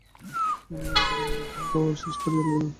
হেমনলিনী কোনোমতে চা-খাওয়া শেষ করিয়া লইল।